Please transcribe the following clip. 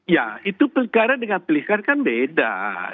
ya itu dengan pilihkar kan beda